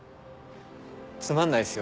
つまんないっすよ